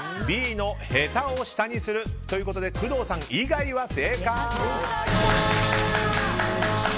Ｂのへたを下にするということで工藤さん以外は正解。